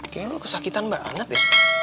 kayaknya lu kesakitan banget ya